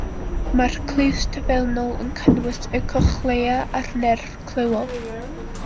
Mae'r clust fewnol yn cynnwys y cochlea a'r nerf clywol.